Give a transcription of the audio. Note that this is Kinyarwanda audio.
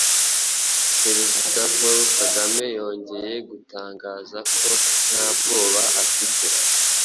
Perezida Paul Kagame yongeye gutangaza ko ntabwoba afite